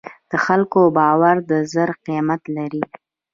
د خلکو باور د زر قیمت لري.